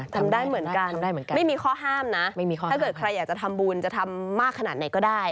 ทำได้เหมือนกันไม่มีข้อห้ามนะถ้าเกิดใครอยากจะทำบุญจะทำมากขนาดไหนก็ได้